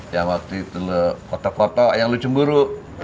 yang waktu itu lo kotak kotak yang lo cemburu